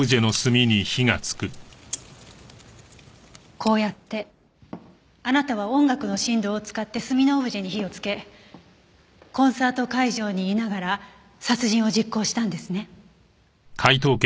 こうやってあなたは音楽の振動を使って炭のオブジェに火をつけコンサート会場にいながら殺人を実行したんですね。